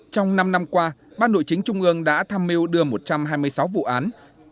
trong năm năm qua ban nội chính trung ương đã tham mưu đưa một trăm hai mươi sáu vụ án